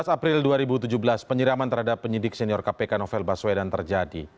sebelas april dua ribu tujuh belas penyerangan terhadap penyidik senior kpk novel baswedan terjadi